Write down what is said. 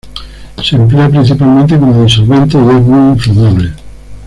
Se emplea principalmente como disolvente y es muy inflamable.